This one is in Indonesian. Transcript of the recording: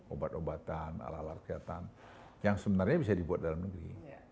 obat obatan alat alat kesehatan yang sebenarnya bisa dibuat dalam negeri